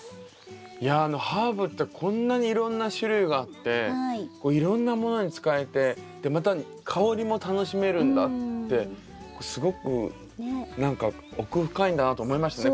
いやハーブってこんなにいろんな種類があっていろんなものに使えてまた香りも楽しめるんだってすごく何か奥深いなと思いましたね